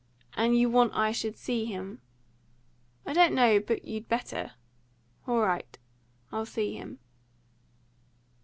"And you want I should see him?" "I don't know but you'd better." "All right. I'll see him."